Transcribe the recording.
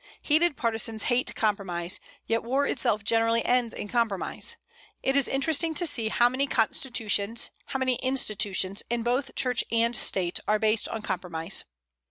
Heated partisans hate compromise; yet war itself generally ends in compromise. It is interesting to see how many constitutions, how many institutions in both Church and State, are based on compromise.